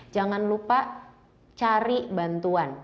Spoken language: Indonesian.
jangan lupa cari bantuan